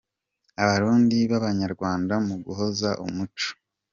Abarundi n’Abanyarwanda mu guhuza umuco